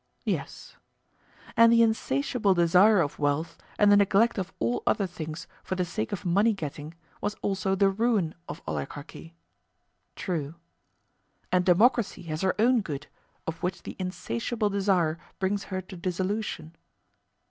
Yes. And the insatiable desire of wealth and the neglect of all other things for the sake of money getting was also the ruin of oligarchy? True. And democracy has her own good, of which the insatiable desire brings her to dissolution?